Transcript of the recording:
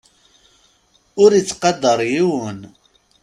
Ur ittqadar yiwen.